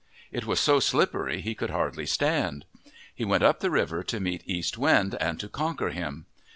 It was so slippery he could hardly stand. He went up the river to meet East Wind and to conquer him.